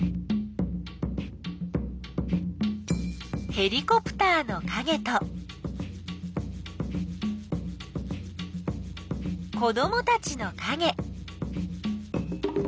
ヘリコプターのかげと子どもたちのかげ。